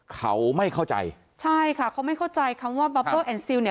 เขาไม่เข้าใจใช่ค่ะเขาไม่เข้าใจคำว่าเนี่ย